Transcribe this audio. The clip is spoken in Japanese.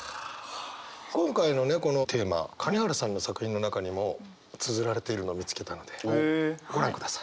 今回のねこのテーマ金原さんの作品の中にもつづられているのを見つけたのでご覧ください。